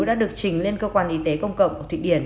đã được trình lên cơ quan y tế công cộng của thụy điển